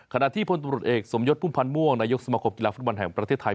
ขณะที่พลตรวจเอกสมยศพุ่มพันธ์ม่วงนายกสมคมกีฬาฟุตบอลแห่งประเทศไทย